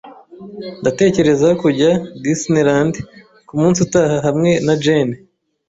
Ndatekereza kujya Disneyland kumunsi utaha hamwe na Jane.